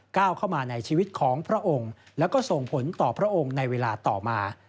ก้าวเข้ามาในชีวิตของพระองค์แล้วก็ส่งผลต่อพระองค์ในเวลาต่อมา